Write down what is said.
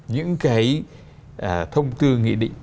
những cái thông tư nghị định